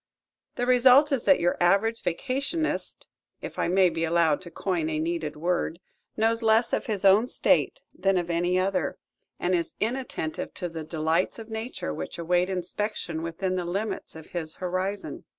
The result is that your average vacationist if I may be allowed to coin a needed word knows less of his own State than of any other, and is inattentive to the delights of nature which await inspection within the limits of his horizon.